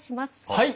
はい！